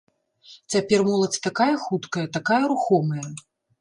Цяпер моладзь такая хуткая, такая рухомая.